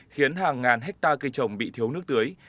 khiến hàng ngàn hectare cây trồng bị thiếu nước tưới